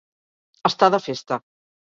Estar de festa.